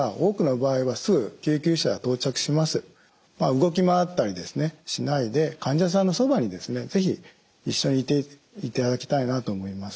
動き回ったりしないで患者さんのそばに是非一緒にいていただきたいなと思います。